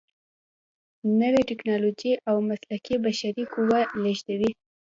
نوې ټیکنالوجې او مسلکي بشري قوه لیږدوي.